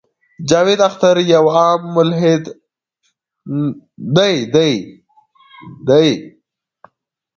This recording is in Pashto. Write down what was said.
جاوېد اختر يو عام ملحد نۀ دے